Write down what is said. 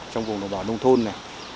trong vùng đồng bào nông thôn